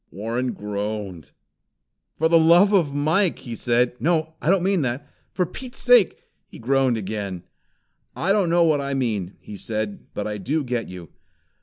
Warren groaned. "For the love of Mike!" he said. "No, I don't mean that! For Pete's sake " He groaned again. "I don't know what I mean," he said, "but I do get you.